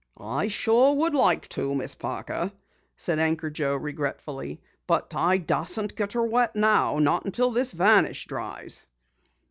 "I sure would like to, Miss Parker," said Anchor Joe regretfully. "But I dasn't get 'er wet now. Not until this varnish dries."